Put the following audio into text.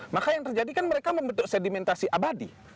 maka yang terjadi kan mereka membentuk sedimentasi abadi